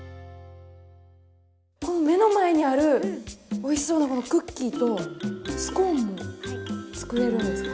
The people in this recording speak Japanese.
この目の前にあるおいしそうなこのクッキーとスコーンも作れるんですか？